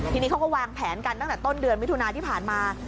ทีนี้เขาก็วางแผนกันตั้งแต่ต้นเดือนมิถุนาที่ผ่านมา